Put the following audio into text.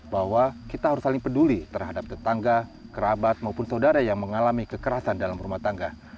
bahwa kita harus saling peduli terhadap tetangga kerabat maupun saudara yang mengalami kekerasan dalam rumah tangga